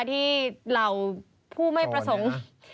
ที่เราผู้ไม่ประสงค์